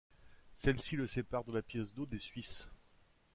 Celle-ci le sépare de la pièce d'eau des Suisses.